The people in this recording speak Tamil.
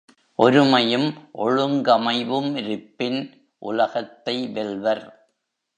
ஒருமையும் ஒழுங்கமைவுமிருப்பின் உலகத்தை வெல்வர்.